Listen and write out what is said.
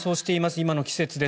今の季節です。